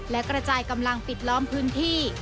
และกระจายกำลังปิดล้อมพื้นที่